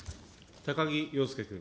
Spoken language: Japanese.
高木陽介君。